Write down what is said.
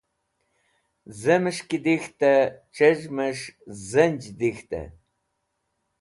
Zẽmes̃h ki dik̃htẽ chezhmẽs̃h zenj dik̃htẽ.